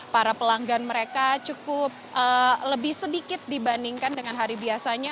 para pelanggan mereka cukup lebih sedikit dibandingkan dengan hari biasanya